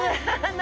何？